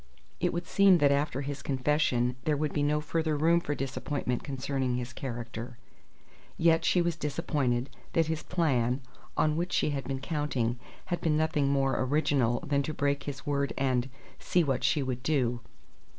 It would have seemed that after his confession there would be no further room for disappointment concerning his character; yet she was disappointed that his "plan," on which she had been counting, had been nothing more original than to break his word and "see what she would do."